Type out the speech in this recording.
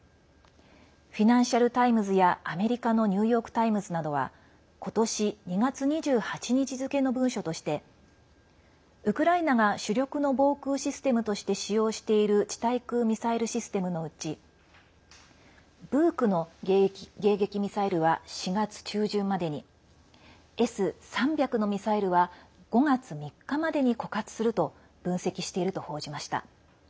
フィナンシャル・タイムズやアメリカのニューヨーク・タイムズなどは今年２月２８日付の文書としてウクライナが主力の防空システムとして使用している地対空ミサイルシステムのうち「ブーク」の迎撃ミサイルは４月中旬までに「Ｓ３００」のミサイルは５月３日までに枯渇すると分析していると報じました。